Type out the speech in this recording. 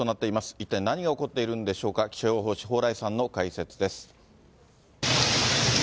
一体、何が起こっているんでしょうか、気象予報士、蓬莱さんの解説です。